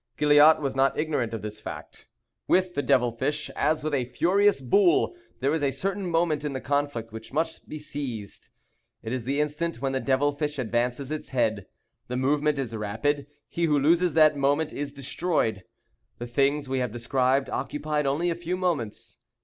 Gilliatt was not ignorant of this fact. With the devil fish, as with a furious bull, there is a certain moment in the conflict which must be seized. It is the instant when the devil fish advances its head. The movement is rapid. He who loses that moment is destroyed. The things we have described occupied only a few moments.